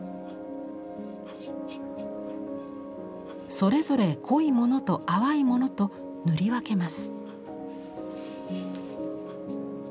それぞれ濃いものと淡いものと塗り分けます。